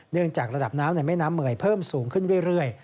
จากระดับน้ำในแม่น้ำเหมือยเพิ่มสูงขึ้นเรื่อย